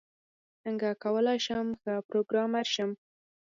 څنګه کولاي شم ښه پروګرامر شم؟